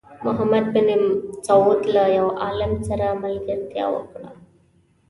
محمد بن سعود له یو عالم سره ملګرتیا وکړه.